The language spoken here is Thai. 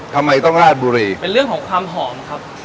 ทำไมต้องราดบุรีเป็นเรื่องของความหอมครับ